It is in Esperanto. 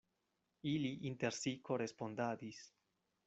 Ili inter si korespondadis.